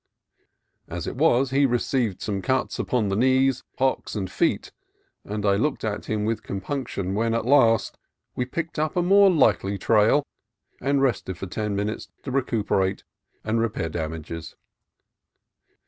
As it was, he received some cuts about the knees, hocks, and feet, and I looked at him with compunction when, at last, we picked up a more likely trail, and rested for ten minutes to recuperate and repair damages.